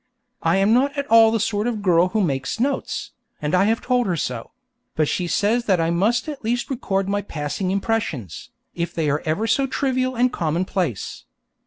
I am not at all the sort of girl who makes notes, and I have told her so; but she says that I must at least record my passing impressions, if they are ever so trivial and commonplace.